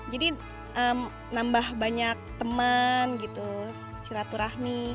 jadi nambah banyak teman gitu silaturahmi